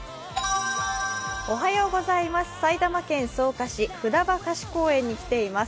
埼玉県草加市、札場河岸公園に来ています。